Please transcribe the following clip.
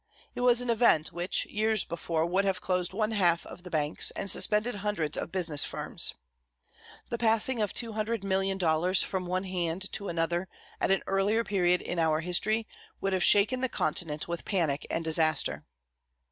It was an event, which, years before, would have closed one half of the banks, and suspended hundreds of business firms. The passing of $200,000,000 from one hand to another, at an earlier period in our history would have shaken the continent with panic and disaster.